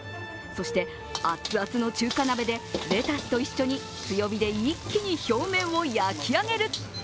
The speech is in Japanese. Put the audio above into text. そして、熱々の中華鍋でレタスと一緒に強火で一気に表面を焼き上げる。